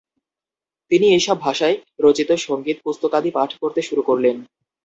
তিনি এইসব ভাষায় রচিত সঙ্গীত পুস্তকাদি পাঠ করতে শুরু করলেন।